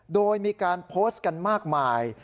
โดยมีการโพสต์กันมากมาย